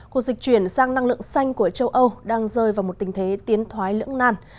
cuộc dịch chuyển sang năng lượng xanh của châu âu đang rơi vào một tình thế tiến thoái lưỡng nan